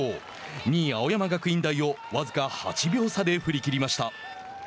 ２位、青山学院大を僅か８秒差で振り切りました。